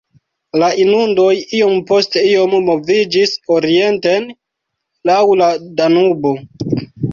La inundoj iom post iom moviĝis orienten laŭ la Danubo.